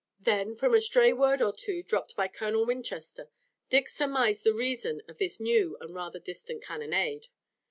Then from a stray word or two dropped by Colonel Winchester Dick surmised the reason of this new and rather distant cannonade.